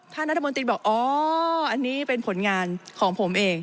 ท่านรัฐมนตรีบอกอ๋ออันนี้เป็นผลงานของผมเอง